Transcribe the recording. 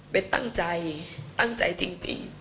เป็นตั้งใจตั้งใจจริง